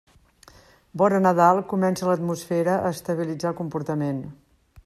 Vora Nadal comença l'atmosfera a estabilitzar el comportament.